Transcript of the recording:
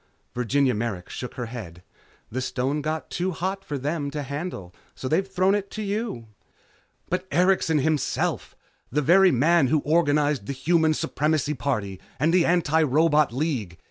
Virginia Merrick shook her head. "The stone got too hot for them to handle, so they've thrown it to you." "But Erikson, himself! The very man who organized the Human Supremacy Party and the Antirobot League!